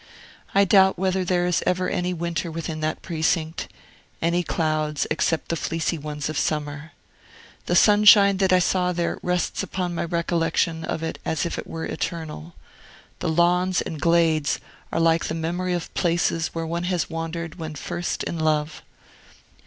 I doubt whether there is ever any winter within that precinct, any clouds, except the fleecy ones of summer. The sunshine that I saw there rests upon my recollection of it as if it were eternal. The lawns and glades are like the memory of places where one has wandered when first in love.